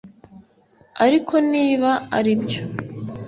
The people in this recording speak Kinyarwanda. ariko niba ari byo